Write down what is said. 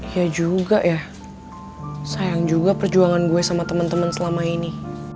ya juga ya sayang juga perjuangan gue sama teman teman selama ini